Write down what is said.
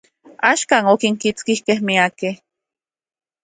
Axkan, okinkitski miakej.